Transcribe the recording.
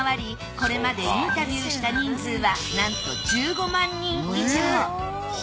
これまでインタビューした人数はなんと１５万人以上。